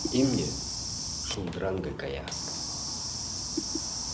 Имне шулдыран гай кая.